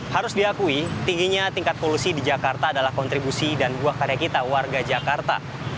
harus diakui tingginya tingkat polusi di jakarta adalah kontribusi dan buah karya kita warga jakarta